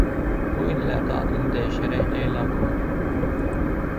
Bu illərdə adını dəyişərək Leyla qoydu.